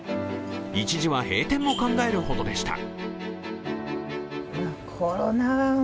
一時は、閉店も考えるほどでした。